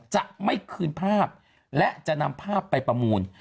จะไม่คืนภาพและจะนำภาพไปประมูล